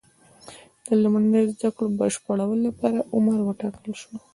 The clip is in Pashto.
د لومړنیو زده کړو بشپړولو لپاره عمر وټاکل شو.